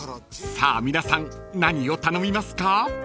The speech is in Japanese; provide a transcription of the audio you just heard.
［さあ皆さん何を頼みますか？］